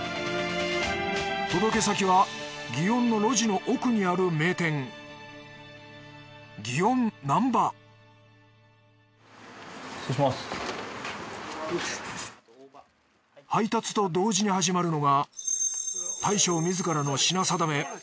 届け先は園の路地の奥にある名店配達と同時に始まるのが大将自らの品定め。